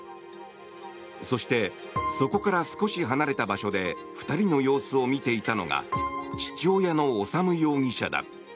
そしてそこから少し離れた場所で２人の様子を見ていたのが父親の修容疑者だ。